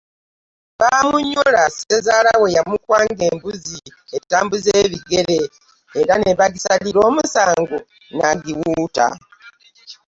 Bwe bamunnyula ssezaala we amukwanga embuzi etambuza ebigere era ne bagisalira omusango n’agiwuuta.